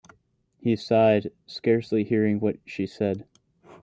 He sighed, scarcely hearing what she said.